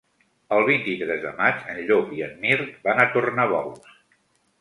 El vint-i-tres de maig en Llop i en Mirt van a Tornabous.